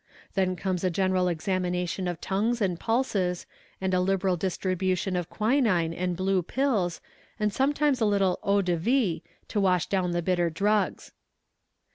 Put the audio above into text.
Then comes a general examination of tongues and pulses, and a liberal distribution of quinine and blue pills, and sometimes a little eau de vie, to wash down the bitter drugs.